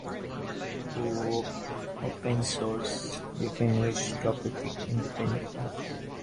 Open-source evangelists operate independently.